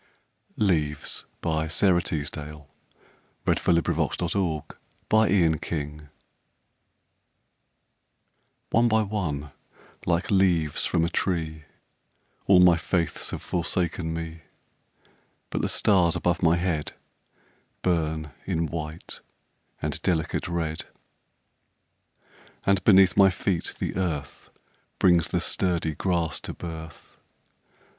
And I who was fresh as the rainfall Am bitter as the sea. LEAVES ONE by one, like leaves from a tree, All my faiths have forsaken me; But the stars above my head Burn in white and delicate red, And beneath my feet the earth Brings the sturdy grass to birth.